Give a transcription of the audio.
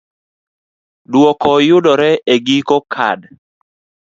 Dwoko yudore e giko kad.